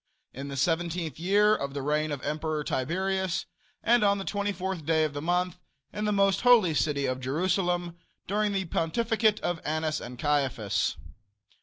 In the seventeenth year of the reign of Emperor Tiberius, and on the 24th day of the month, in the most holy city of Jerusalem, during the pontificate of Annas and Caiaphas.